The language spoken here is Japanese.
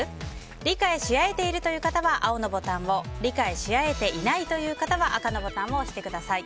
理解し合えているという方は青のボタンを理解し合えていないという方は赤のボタンを押してください。